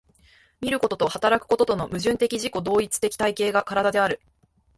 見ることと働くこととの矛盾的自己同一的体系が身体である。